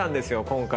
今回。